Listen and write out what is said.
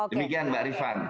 demikian mbak rifan